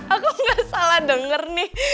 aku gak salah denger nih